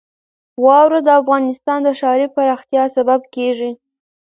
واوره د افغانستان د ښاري پراختیا سبب کېږي.